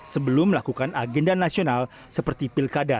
sebelum melakukan agenda nasional seperti pilkada